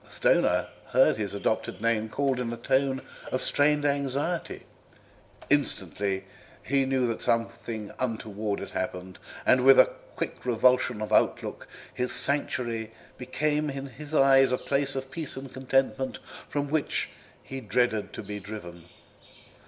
Stoner heard his adopted name called in a tone of strained anxiety. Instantly he knew that something untoward had happened, and with a quick revulsion of outlook his sanctuary became in his eyes a place of peace and contentment, from which he dreaded to be driven.